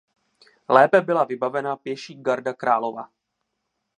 Lépe byla vybavena pěší garda králova.